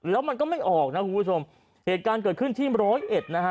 แล้วมันก็ไม่ออกนะคุณผู้ชมเหตุการณ์เกิดขึ้นที่ร้อยเอ็ดนะฮะ